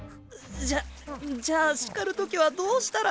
じゃじゃあ叱る時はどうしたら。